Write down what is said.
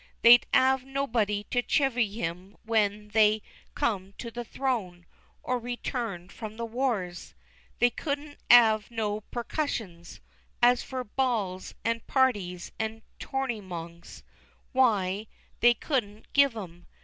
They'd 'ave nobody to chivy 'em when they come to the throne, or returned from the wars. They couldn't 'ave no percessions; as for balls, and parties, and torneymongs, why, they couldn't give 'em.